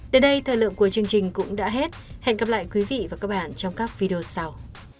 đến đây thời lượng của chương trình cũng đã hết hẹn gặp lại quý vị và các bạn trong các video sau